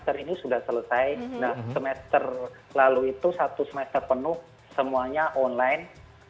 semester ini sudah selesai nah semester lalu itu satu semester penuh semuanya online